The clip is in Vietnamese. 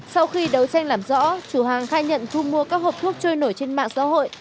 sau khi đấu tranh làm rõ chủ hàng khai nhận thu mua các hộp thuốc trôi nổi trên mạng xã hội